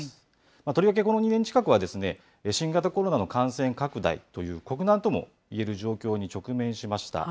とりわけこの２年近くは、新型コロナの感染拡大という国難ともいえる状況に直面しました。